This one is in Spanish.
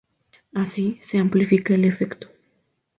Así se amplifica el efecto.